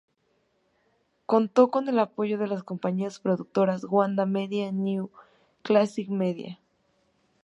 Contó con el apoyo de las compañías productoras "Wanda Media" y "New Classics Media".